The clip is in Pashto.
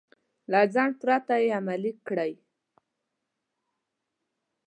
له ځنډ پرته يې عملي کړئ.